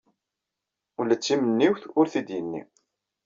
Ula d timenniwt ur t-id-yenni.